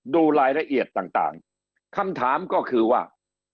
ดูรายละเอียดต่างคำถามก็คือว่า